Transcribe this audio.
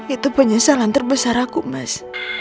itu penyesalan terbesar aku mas